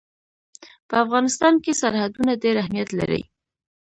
په افغانستان کې سرحدونه ډېر اهمیت لري.